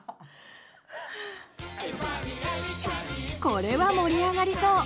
これは盛り上がりそう！